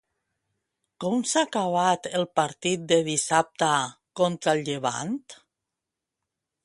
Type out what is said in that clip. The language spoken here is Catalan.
Com s'ha acabat el partit de dissabte contra el Llevant?